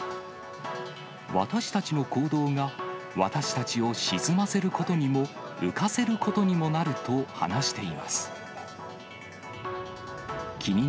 私たちの行動が、私たちを沈ませることにも、浮かせることにもなると話しています。